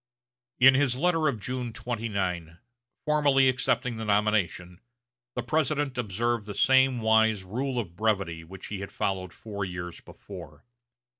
In his letter of June 29, formally accepting the nomination, the President observed the same wise rule of brevity which he had followed four years before.